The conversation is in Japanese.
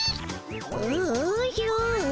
おおじゃ。